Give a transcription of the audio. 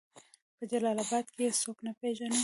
په جلال آباد کې يې څوک نه پېژني